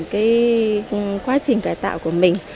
cái quá trình cải tạo của mình